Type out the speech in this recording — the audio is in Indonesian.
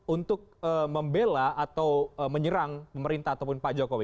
untuk membela atau menyerang pemerintah ataupun pak jokowi